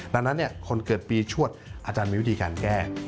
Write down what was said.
ดังนั้นคนเกิดปีชวดอาจารย์มีวิธีการแก้